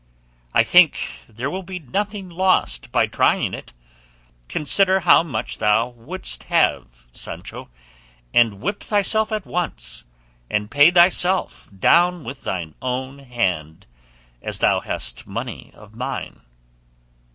I think there will be nothing lost by trying it; consider how much thou wouldst have, Sancho, and whip thyself at once, and pay thyself down with thine own hand, as thou hast money of mine."